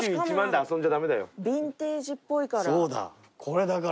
ビンテージっぽいから。